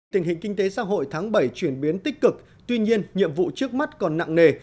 tình hình kinh tế xã hội tháng bảy chuyển biến tích cực tuy nhiên nhiệm vụ trước mắt còn nặng nề